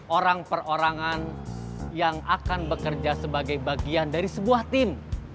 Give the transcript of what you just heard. orang perorangan yang akan bekerja sebagai bagian dari sebuah tim